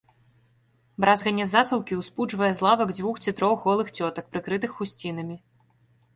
Бразганне засаўкі ўспуджвае з лавак дзвюх ці трох голых цётак, прыкрытых хусцінамі.